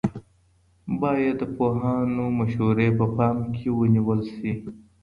باید د پوهانو مشورې په پام کې ونیول سي.